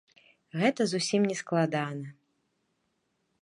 Гэта зусім не складана.